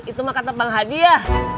itu mah kata bang haji ya